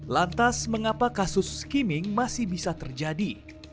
lantas mengapa kasus skimming masih bisa terjadi